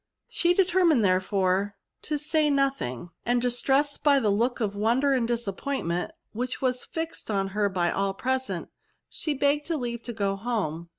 She determined, therefore, to say nothing; and, distressed by the look of won der and disappointment which was fixed on her by all present, she begged leave to go home.